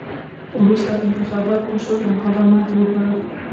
وروسته انتخابات وشول او هغه ماتې وخوړه.